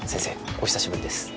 お久しぶりです